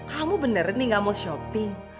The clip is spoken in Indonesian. kamu bener nih gak mau shopping